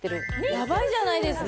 やばいじゃないですか。